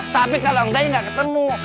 tapi kalau enggak ya nggak ketemu